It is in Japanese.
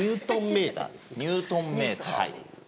ニュートンメーターです。